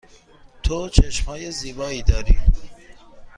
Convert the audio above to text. تو چشم های زیبایی داری.